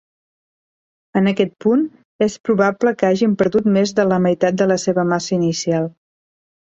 En aquest punt, es probable que hagin perdut més de la meitat de la seva massa inicial.